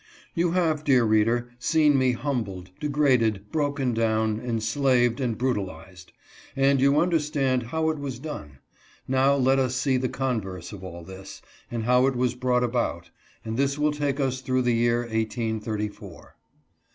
You have, dear reader, seen me humbled, degraded, broken down, enslaved, and brutalized ; and you under stand how it was done ; now let us see the converse of all this, and how it was brought about ; and this will take us through the year 1834. (155) 156 TAKEN SICK.